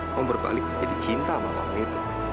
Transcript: kamu berbalik jadi cinta sama orang itu